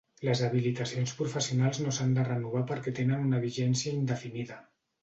Les habilitacions professionals no s'han de renovar perquè tenen una vigència indefinida.